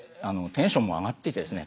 テンションも上がっていってですね